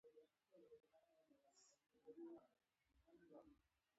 په دې ډله وسایلو کې د قوس اندازه کولو شابلونونه شامل نه دي.